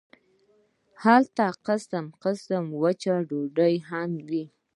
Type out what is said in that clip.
هلته قسم قسم وچې ډوډۍ هم وې.